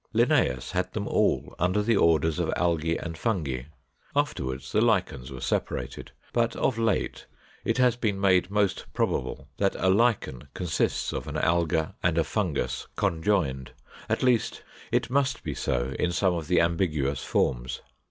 Linnæus had them all under the orders of Algæ and Fungi. Afterwards the Lichens were separated; but of late it has been made most probable that a Lichen consists of an Alga and a Fungus conjoined. At least it must be so in some of the ambiguous forms.